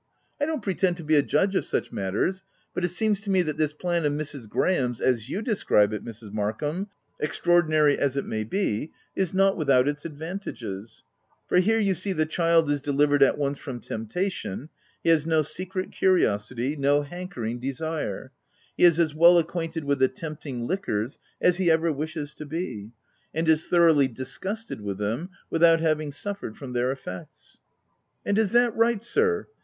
I don't pretend to be a judge of such matters, but it seems to me, that this plan of Mrs. Graham's, as you describe it, Mrs. Markham, extraordinary as it may be, is not without its advantages ; for here you see, the child is delivered at once from temptation ; he has no secret curiosity, no hankering desire ; he is as well acquainted with the tempting liquors as he ever wishes to be ; and is OF WILDFELL HALL. 77 thoroughly disgusted with them without having suffered from their effects.'* "And is that right, sir?